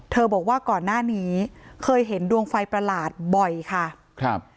บอกว่าก่อนหน้านี้เคยเห็นดวงไฟประหลาดบ่อยค่ะครับ